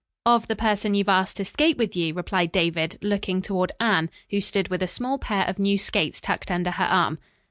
"Of the person you've asked to skate with you," replied David, looking toward Anne, who stood with a small pair of new skates tucked under her arm.